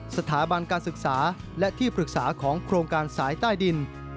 สถาบันการศึกษาและที่ปรึกษาของโครงการสายใต้ดิน